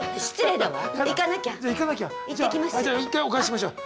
じゃあ一回お返ししましょう。